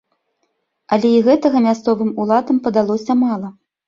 Але і гэтага мясцовым уладам падалося мала.